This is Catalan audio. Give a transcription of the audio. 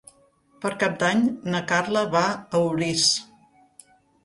Per Cap d'Any na Carla va a Orís.